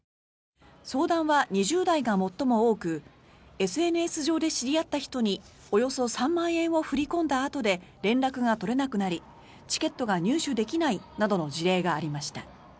相談は２０代が最も多くＳＮＳ上で知り合った人におよそ３万円を振り込んだあとで連絡が取れなくなりチケットが入手できないなどの事例がありました。